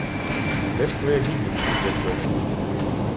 Де ж твоя гідність після цього?